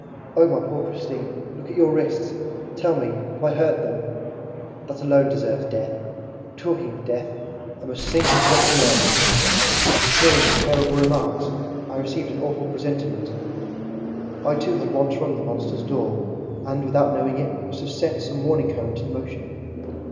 Oh, my poor Christine, look at your wrists: tell me, have I hurt them? ... That alone deserves death ... Talking of death, I MUST SING HIS REQUIEM!" Hearing these terrible remarks, I received an awful presentiment ... I too had once rung at the monster's door ... and, without knowing it, must have set some warning current in motion.